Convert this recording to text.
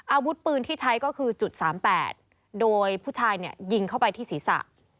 อาวุธปืนที่ใช้ก็คือจุด๓๘โดยผู้ชายเนี่ยยิงเข้าไปที่ศีรษะ